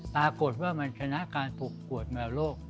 ปรากฏว่ามันชนะการปลูกปวดแมวโลก